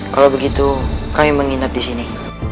kalau begitu kami menginap di sini